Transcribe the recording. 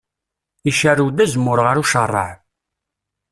Icerrew-d azemmur ɣer ucerraɛ.